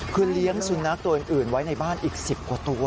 คือเลี้ยงสุนัขตัวอื่นไว้ในบ้านอีก๑๐กว่าตัว